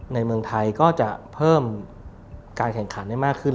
ในเมืองไทยก็จะเพิ่มการแข่งขันได้มากขึ้น